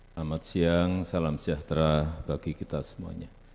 selamat siang salam sejahtera bagi kita semuanya